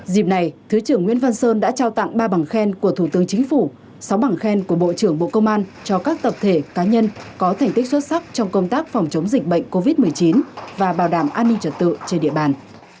dịp này thứ trưởng nguyễn văn sơn đã trao tặng ba bằng khen của thủ tướng chính phủ sáu bằng khen của bộ trưởng bộ công an cho các tập thể cá nhân có thành tích xuất sắc trong công tác phòng chống dịch bệnh covid một mươi chín và bảo đảm an ninh trật tự trên địa bàn